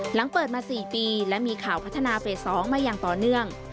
หลังเปิดมา๔ปีและมีข่าวพัฒนาเฟส๒มาอย่างต่อเนื่อง